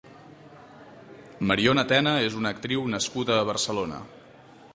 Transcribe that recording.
Mariona Tena és una actriu nascuda a Barcelona.